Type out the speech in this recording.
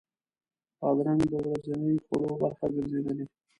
بادرنګ د ورځني خوړو برخه ګرځېدلې.